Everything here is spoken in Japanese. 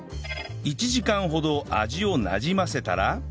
１時間ほど味をなじませたら